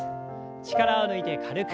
力を抜いて軽く。